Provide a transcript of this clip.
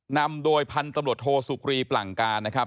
นำโดยพันธุ์ตำรวจโทสุกรีปลั่งการนะครับ